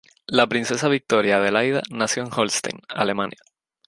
La princesa Victoria Adelaida nació en Holstein, Alemania.